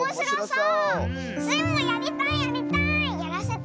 スイもやりたいやりたい！